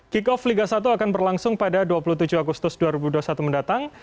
kick off liga satu akan berlangsung pada dua puluh tujuh agustus dua ribu dua puluh satu mendatang